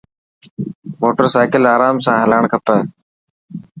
موٽر سائڪل آرام سان هلاڻ کپي.